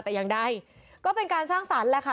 แต่ยังได้ก็เป็นการสร้างศาลแล้วค่ะ